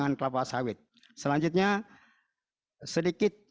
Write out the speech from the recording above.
sehingga kedepannya kita dapat memiliki pijakan yang lebih baik